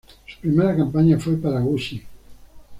Su primera campaña fue para Gucci.